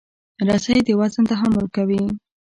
رسۍ د وزن تحمل کوي.